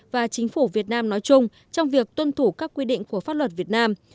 và chính phủ việt nam nói chung trong việc tuân thủ các quy định của pháp luật việt nam